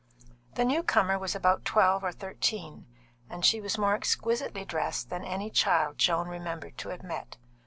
The new comer was about twelve or thirteen, and she was more exquisitely dressed than any child Joan remembered to have met.